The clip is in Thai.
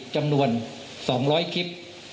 จำนวน๒๐๐คลิป